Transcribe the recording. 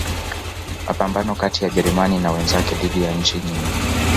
Mapambano kati ya Ujerumani na wenzake dhidi ya nchi nyingi